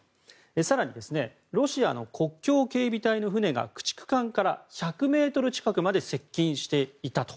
更に、ロシアの国境警備隊の船が駆逐艦から１００ｍ近くまで接近していたと。